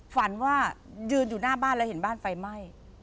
ฝันว่ายืนอยู่หน้าบ้านแล้วเห็นบ้านไฟไหม้